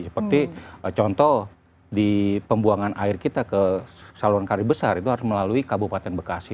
seperti contoh di pembuangan air kita ke saluran karibesar itu harus melalui kabupaten bekasi